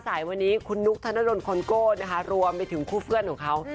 สายวันนี้คุณนุ๊กธนดลคอนโก้นะคะรวมไปถึงคู่เพื่อนของเขา